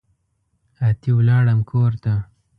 اتي ولاړم کورته